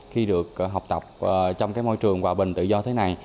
khi được học tập trong môi trường hòa bình tự do thế này